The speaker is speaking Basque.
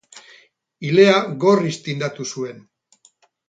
Ilea gorriz tindatu zuen.